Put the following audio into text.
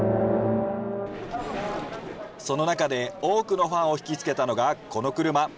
その中で多くのファンを引き付けたのがこの車。